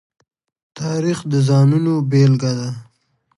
تاریخ د ځانونو بېلګه ده.